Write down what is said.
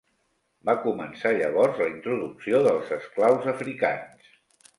Va començar, llavors, la introducció dels esclaus africans.